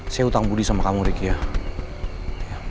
saya utang budi sama kamu riki ya